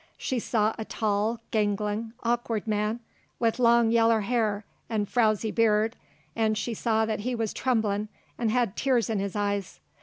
She saw a tall, ganglin', awkward man, with long yaller hair 'nd frowzy beard, 'nd she saw that he wuz tremblin' 'nd hed tears in his eyes.